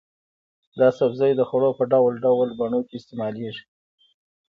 دا سبزی د خوړو په ډول ډول بڼو کې استعمالېږي.